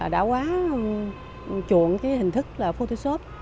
đã quá chuộng hình thức photoshop